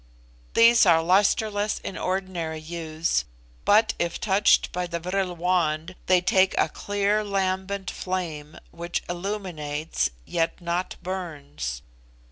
These are lustreless in ordinary use, but if touched by the vril wand they take a clear lambent flame, which illuminates, yet not burns.